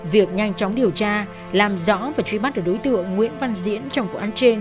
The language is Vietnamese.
việc nhanh chóng điều tra làm rõ và truy bắt được đối tượng nguyễn văn diễn trong vụ án trên